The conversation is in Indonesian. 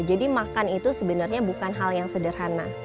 jadi makan itu sebenarnya bukan hal yang sederhana